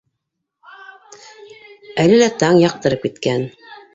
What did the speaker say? Әле лә таң яҡтырып киткән.